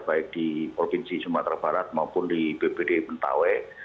baik di provinsi sumatera barat maupun di bpd mentawai